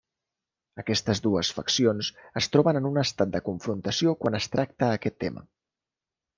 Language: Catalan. Aquestes dues faccions es troben en un estat de confrontació quan es tracta aquest tema.